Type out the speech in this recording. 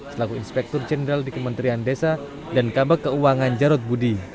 selaku inspektur jenderal di kementerian desa dan kabak keuangan jarod budi